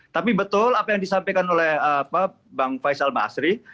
tapi betul apa yang disampaikan oleh pak faisal masri